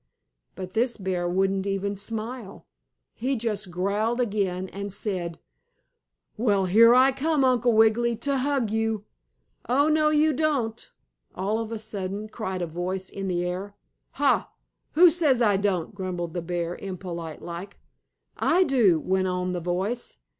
But this bear wouldn't even smile. He just growled again and said: "Well, here I come, Uncle Wiggily, to hug you!" "Oh, no you don't!" all of a sudden cried a voice in the air. "Ha! Who says I don't?" grumbled the bear, impolite like. "I do," went on the voice.